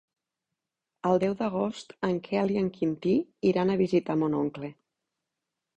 El deu d'agost en Quel i en Quintí iran a visitar mon oncle.